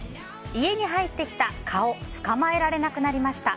家に入ってきた蚊を捕まえられなくなりました。